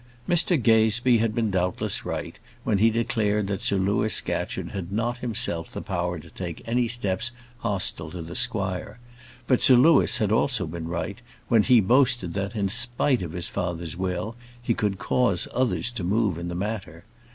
Mr Gazebee had been doubtless right, when he declared that Sir Louis Scatcherd had not himself the power to take any steps hostile to the squire; but Sir Louis had also been right, when he boasted that, in spite of his father's will, he could cause others to move in the matter.